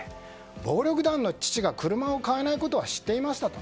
暴力団の父が車を買えないことは知っていましたと。